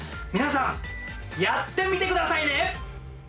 皆さんやってみて下さいね！